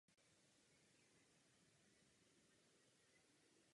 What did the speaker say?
Na univerzitě v Halle studoval právo.